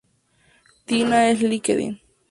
Tina en Linkedin